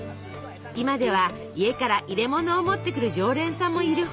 今では家から入れものを持ってくる常連さんもいるほど。